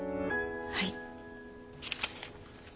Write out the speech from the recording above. はい。